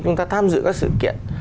chúng ta tham dự các sự kiện